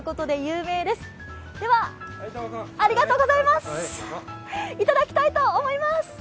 では、いただきたいと思います。